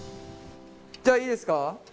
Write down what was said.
じゃあいいですか？